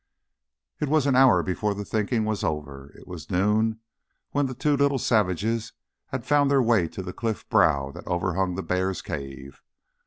It was an hour before the thinking was over; it was noon when the two little savages had found their way to the cliff brow that overhung the bears' cave.